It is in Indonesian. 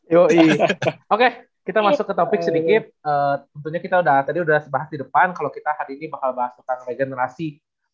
yoi oke kita masuk ke topik sedikit tentunya kita udah tadi udah bahas di depan kalo kita hari ini bakal bahas tentang regeneration tim nasional